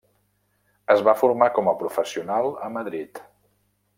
Es va formar com a professional a Madrid.